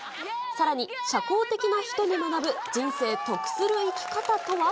さらに、社交的な人に学ぶ、人生得する生き方とは。